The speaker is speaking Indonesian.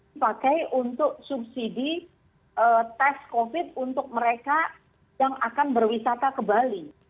dipakai untuk subsidi tes covid untuk mereka yang akan berwisata ke bali